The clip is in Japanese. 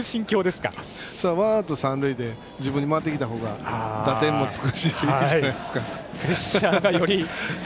ワンアウト三塁で自分に回ってきたほうが打点もつくしいいじゃないですか。